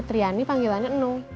fitriani panggilannya enu